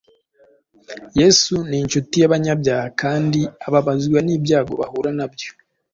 Yesu ni incuti y’abanyabyaha kandi ababazwa n’ibyago bahura nabyo.